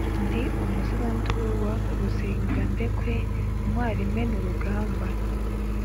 ndi umuzibanduru wa ruzingandekwe, ntwali imena urugamba